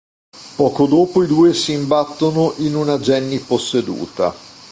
Poco dopo i due si imbattono in una Jenny posseduta.